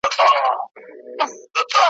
دوې یې توري غټي سترګي وې په سر کي ,